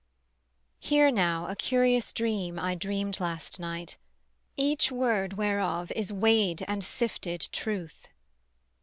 Hear now a curious dream I dreamed last night, Each word whereof is weighed and sifted truth.